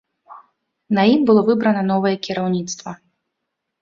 На ім было выбрана новае кіраўніцтва.